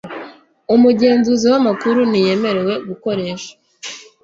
umugenzuzi w amakuru ntiyemerewe gukoresha